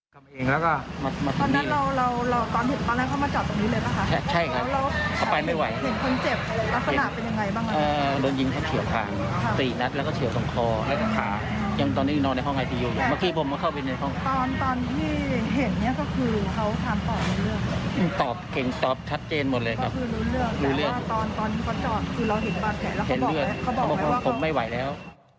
ก็เลยรีบนำตัวคนเจ็บเข้าห้องฉุกเฉินและร้องขอความช่วยเหลือบอกทนไม่ไหวแล้ว